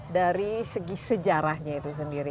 dari segi sejarahnya itu sendiri